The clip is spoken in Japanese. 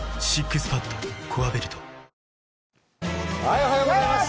おはようございます！